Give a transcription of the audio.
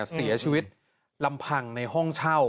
เสียชีวิตลำพังในห้องเช่า